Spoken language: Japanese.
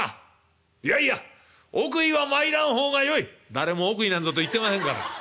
「誰も奥になんぞと言ってませんから。